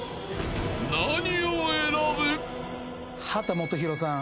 ［何を選ぶ？］